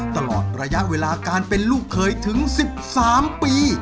ตลอดระยะเวลาการเป็นลูกเคยถึง๑๓ปี